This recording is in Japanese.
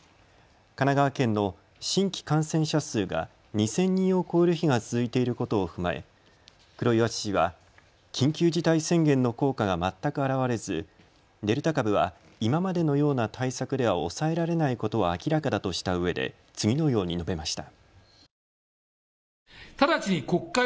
神奈川県の新規感染者数が２０００人を超える日が続いていることを踏まえ黒岩知事は緊急事態宣言の効果が全くあらわれずデルタ株は今までのような対策では抑えられないことは明らかだとしたうえで次のように述べました。